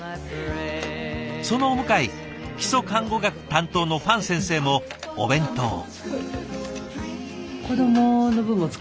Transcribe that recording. そのお向かい基礎看護学担当の方先生もお弁当。